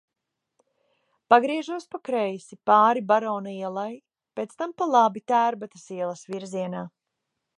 Pagriežos pa kreisi, pāri Barona ielai, pēc tam pa labi, Tērbatas ielas virzienā.